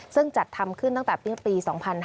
ซึ่งจัดทำขึ้นตั้งแต่ปี๒๕๕๙